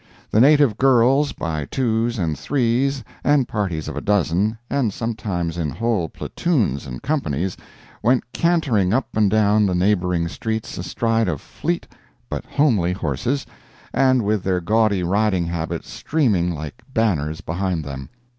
The native girls by twos and threes and parties of a dozen, and sometimes in whole platoons and companies, went cantering up and down the neighboring streets astride of fleet but homely horses, and with their gaudy riding habits streaming like banners behind them.